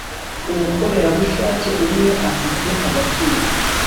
umukorerabushake umwe afite agaciro